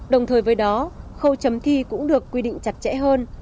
đồng thời với đó khâu chấm thi cũng được quy định chặt chẽ hơn